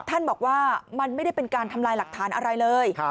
ท่านบอกว่ามันไม่ได้เป็นการทำลายหลักฐานอะไรเลย